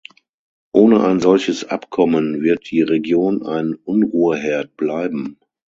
Ohne ein solches Abkommen wird die Region ein Unruheherd bleiben.